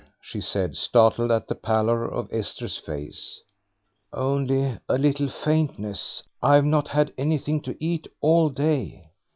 she said, startled at the pallor of Esther's face. "Only a little faintness; I've not had anything to eat all day."